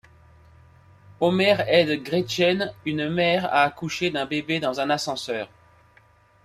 Homer aide Gretchen, une mère à accoucher d'un bébé dans un ascenseur.